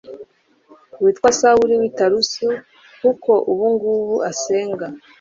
witwa sawuli w i taruso kuko ubu ngubu asenga